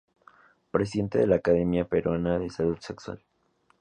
Presidente de la Academia Peruana de Salud Sexual.